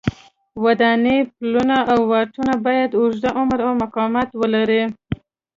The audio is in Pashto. ودانۍ، پلونه او واټونه باید اوږد عمر او مقاومت ولري.